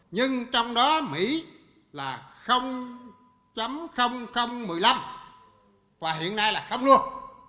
nhưng trong đó mỹ là một mươi năm và hiện nay là không luôn